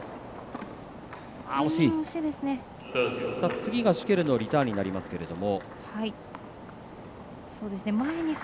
次がシュケルのリターンになりますけれども。